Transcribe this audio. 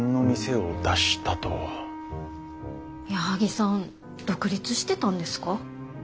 矢作さん独立してたんですか？